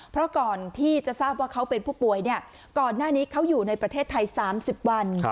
เพราะก่อนที่จะทราบว่าเขาเป็นผู้ป่วยก่อนหน้านี้เขาอยู่ในประเทศไทย๓๐วัน